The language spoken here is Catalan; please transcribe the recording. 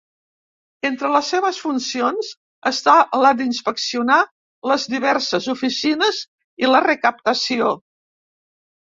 Entre les seves funcions està la d'inspeccionar les diverses oficines i la recaptació.